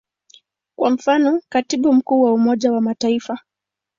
Kwa mfano, Katibu Mkuu wa Umoja wa Mataifa.